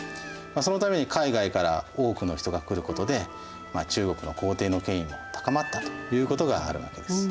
そのために海外から多くの人が来ることで中国の皇帝の権威も高まったということがあるわけです。